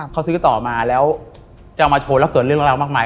เขาซื้อต่อมาแล้วจะเอามาโชว์แล้วเกิดเรื่องราวมากมาย